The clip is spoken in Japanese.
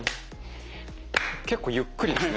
結構ゆっくりですね。